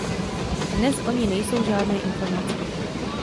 Dnes o ní nejsou žádné informace.